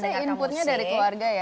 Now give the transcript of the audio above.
kayaknya saya inputnya dari keluarga ya